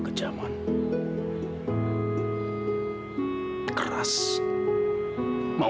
gua mau ke rumah